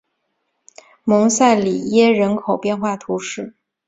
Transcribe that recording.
蒙塞里耶人口变化图示